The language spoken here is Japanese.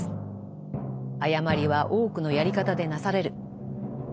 誤りは多くのやり方でなされる。